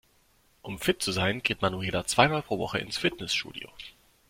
Um fit zu sein geht Manuela zwei mal pro Woche ins Fitnessstudio.